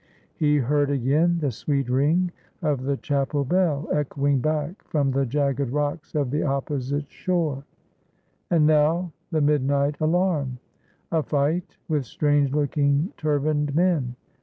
He heard again the sweet ring of the chapel bell echoing back from the jagged rocks of the opposite shore. And now the midnight alarm! A fight with strange looking turbaned men!